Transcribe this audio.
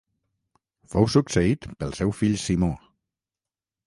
Fou succeït pel seu fill Simó.